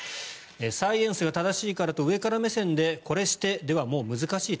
サイエンスが正しいからと上から目線でこれしてではもう難しいと。